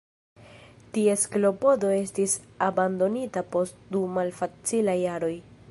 Ties klopodo estis abandonita post du malfacilaj jaroj.